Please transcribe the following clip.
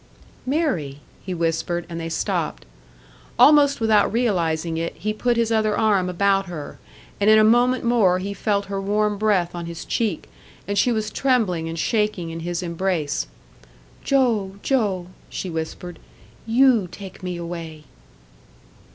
"Mary!" he whispered; and they stopped. Almost without realising it, he put his other arm about her, and in a moment more he felt her warm breath on his cheek, and she was trembling and shaking in his embrace. "Joe! Joe!" she whispered. "You take me away!"